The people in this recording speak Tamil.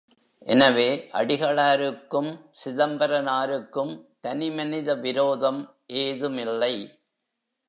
எனவே, அடிகளாருக்கும் சிதம்பரனாருக்கும் தனிமனித விரோதம் ஏதுமில்லை.